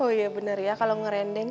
oh iya bener ya kalau ngerendeng